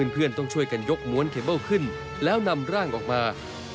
เพื่อนต้องช่วยกันยกม้วนเคเบิ้ลขึ้นแล้วนำร่างออกมา